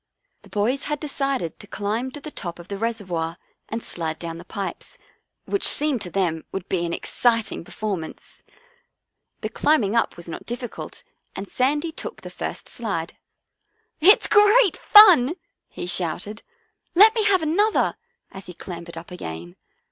The boys had decided to climb to the top of the reservoir and slide down the pipes, which seemed to them would be an exciting per formance. The climbing up was not difficult and Sandy took the first slide. " It's great fun," he shouted. " Let me have another! " as he clambered up again.